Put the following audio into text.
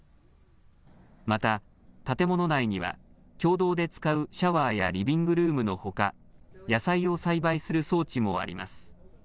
また建物内には共同で使うシャワーやリビングルームのほか野菜を栽培する装置もあります。